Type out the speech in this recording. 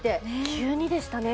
急にでしたね。